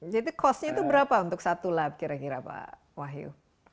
jadi kosnya itu berapa untuk satu lab kira kira pak wahyu